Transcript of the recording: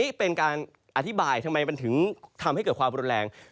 นี่เป็นการอธิบายทำไมมันถึงทำให้เกิดความรุนแรง